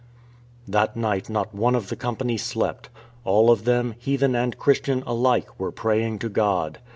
That night not one of the company slept. All of them, heathen and Christian alike, were praying to God.